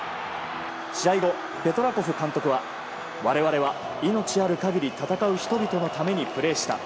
試合後、ペトラコフ監督は我々は命ある限り戦う人々のためにプレーした。